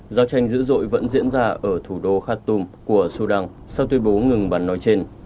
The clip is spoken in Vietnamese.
giao tranh dữ dội vẫn diễn ra ở thủ đô khat tum của sudan sau tuyên bố ngừng bắn nói trên